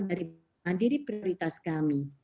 dari mandiri prioritas kami